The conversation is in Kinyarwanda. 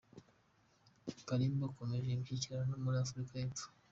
Kalimba akomeje imishyikirano yo muri Afurika y’Epfo